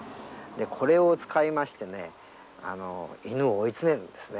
これを使いましてね犬を追い詰めるんですね。